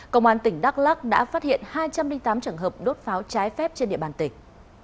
công an tỉnh đắk lắc đã phát hiện hai trăm linh tám trường hợp đốt pháo trái phép trên địa bàn tỉnh